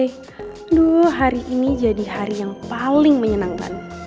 aduh hari ini jadi hari yang paling menyenangkan